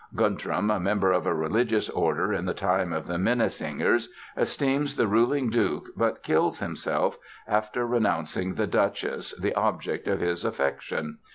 Guntram, a member of a religious order in the time of the Minnesingers, esteems the ruling duke, but kills himself, after renouncing the duchess, the object of his affection.